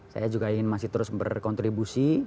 saya juga masih ingin terus berkontribusi